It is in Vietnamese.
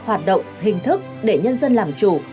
hoạt động hình thức để nhân dân làm chủ